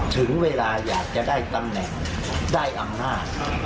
ถึงเวลาอยากจะได้ตำแหน่งได้อำนาจ